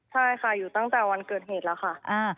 ใช่ค่ะอยู่ตั้งแต่วันเกิดเหตุแล้วค่ะ